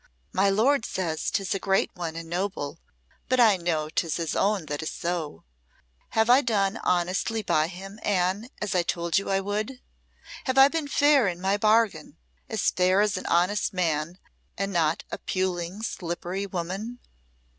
My lord says 'tis a great one and noble, but I know 'tis his own that is so. Have I done honestly by him, Anne, as I told you I would? Have I been fair in my bargain as fair as an honest man, and not a puling, slippery woman?"